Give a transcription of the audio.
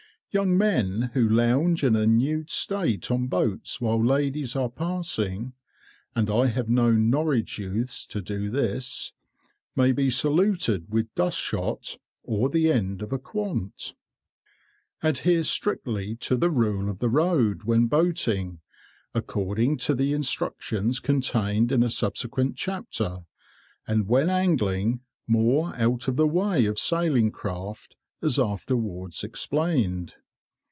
Young men who lounge in a nude state on boats while ladies are passing (and I have known Norwich youths to do this) may be saluted with dust shot, or the end of a quant. Adhere strictly to the rule of the road when boating, according to the instructions contained in a subsequent chapter, and when angling, moor out of the way of sailing craft, as afterwards explained.